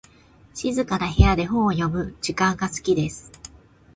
静かな部屋で本を読む時間が好きです。